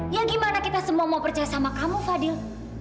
ya gimana kita semua mau percaya sama kamu fadil